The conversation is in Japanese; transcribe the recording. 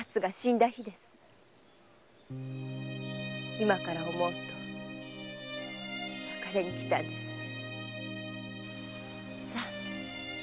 今から思うと別れにきたんですね。